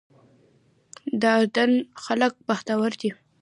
د اردن خلک بختور دي.